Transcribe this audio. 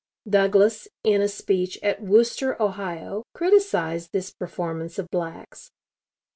Douglas, in a speech at Wooster, Ohio, criticized this performance of Black's.